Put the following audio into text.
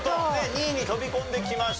２位に飛び込んできました。